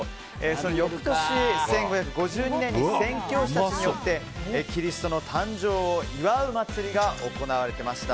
翌年１５５２年に宣教師たちによってキリストの誕生を祝う祭りが行われていました。